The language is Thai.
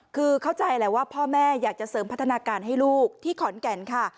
คือเข้าใจแหละว่าพ่อแม่อยากจะเสริมพัฒนาการให้ลูกที่ขอนแก่นค่ะ